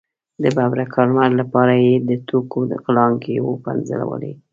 د ببرک کارمل لپاره یې د ټوکو غړانګې وپنځولې.